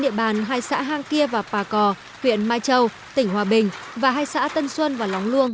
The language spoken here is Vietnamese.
địa bàn hai xã hang kia và pà cò huyện mai châu tỉnh hòa bình và hai xã tân xuân và lóng luông